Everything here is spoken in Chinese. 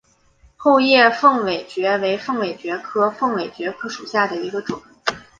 厚叶凤尾蕨为凤尾蕨科凤尾蕨属下的一个种。